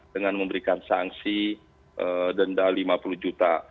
dengan memberikan sanksi denda lima puluh juta